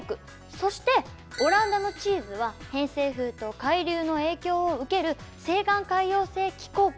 そしてオランダのチーズは偏西風と海流の影響を受ける西岸海洋性気候区。